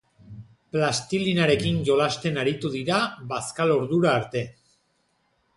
Plastilinarekin jolasten aritu dira bazkalordura arte.